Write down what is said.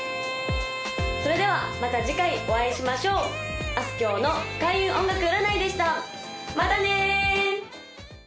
それではまた次回お会いしましょうあすきょうの開運音楽占いでしたまたね！